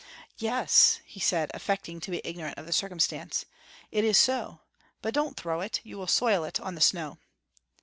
"Yes," he said, affecting to be ignorant of the circumstance, "it is so; but don't throw it, you will soil it on the snow."